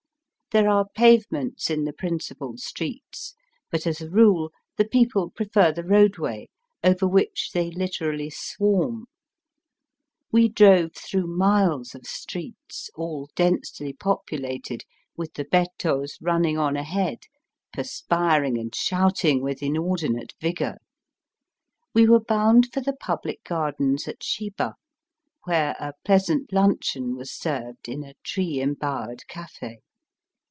There are pavements in the prin cipal streets, but as a rule the people prefer the roadway, over which they Hterally swarm. We drove through miles of streets, all densely populated, with the bettos running on ahead, perspiring and shouting with inordinate vigour. We were bound for the public gardens at Shiba, where a pleasant luncheon was served in a tree embowered cafe.